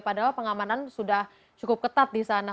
padahal pengamanan sudah cukup ketat di sana